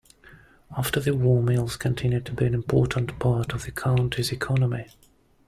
After the war mills continued to be an important part of the county's economy.